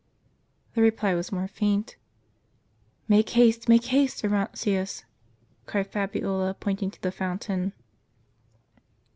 The reply was more faint. "Make haste, make haste, Orontius," cried Fabiola, pointing to the fountain.